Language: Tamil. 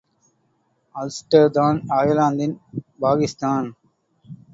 அல்ஸ்டர்தான் அயர்லாந்தின் பாகிஸ்தான்.